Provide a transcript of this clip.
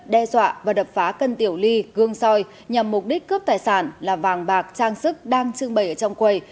đập phá cân tiểu ly gương soi nhằm mục đích cướp tài sản là vàng bạc trang sức đang trưng bày trong quầy